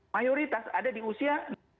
mayoritas ada di usia